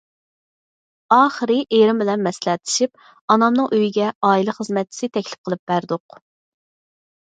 ئاخىرى ئېرىم بىلەن مەسلىھەتلىشىپ ئانامنىڭ ئۆيىگە ئائىلە خىزمەتچىسى تەكلىپ قىلىپ بەردۇق.